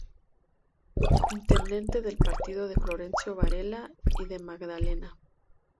Intendente del partido de Florencio Varela y de Magdalena.